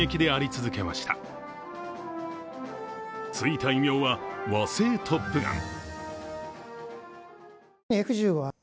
ついた異名は和製「トップガン」。